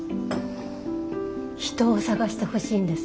人を探してほしいんです。